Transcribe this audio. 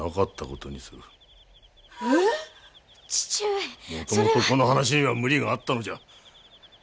もともとこの話には無理があったのじゃ。